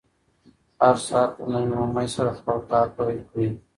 هر سهار په نوي امېد سره خپل کار پیل کړئ.